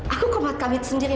aku kumat kami sendiri